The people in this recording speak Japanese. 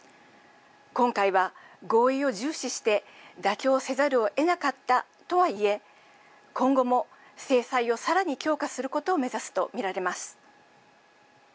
今回は合意を重視して妥協せざるをえなかったとはいえ今後も制裁をさらに強化することを目指すと見られます。